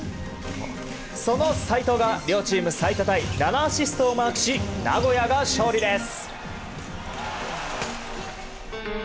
その齋藤が両チーム最多タイの７アシストをマークし名古屋が勝利です。